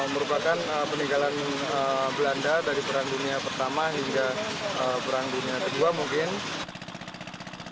merupakan peninggalan belanda dari perang dunia pertama hingga perang dunia ii mungkin